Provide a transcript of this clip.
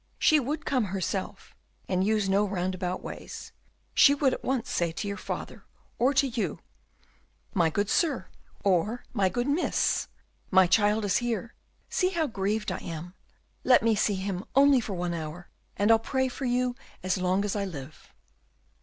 she would come herself, and use no roundabout ways. She would at once say to your father, or to you, 'My good sir, or my good miss, my child is here; see how grieved I am; let me see him only for one hour, and I'll pray for you as long as I live.